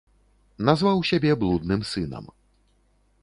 Назваў сябе блудным сынам.